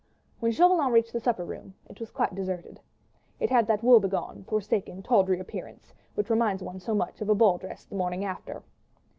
When Chauvelin reached the supper room it was quite deserted. It had that woebegone, forsaken, tawdry appearance, which reminds one so much of a ball dress, the morning after.